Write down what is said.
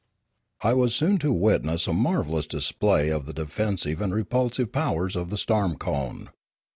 I was soon to witness a marvellous display of the defensive and repulsive powers of the storm cone.